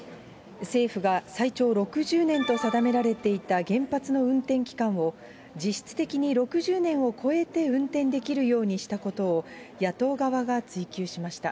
政府が最長６０年と定められていた原発の運転期間を、実質的に６０年を超えて運転できるようにしたことを、野党側が追及しました。